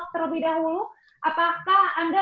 terlebih dahulu apakah anda